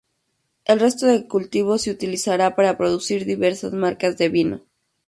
El resto del cultivo se utilizará para producir diversas marcas de vino.